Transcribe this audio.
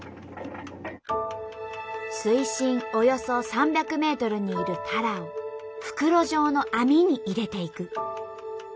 水深およそ３００ｍにいるタラを袋状の網に入れていく。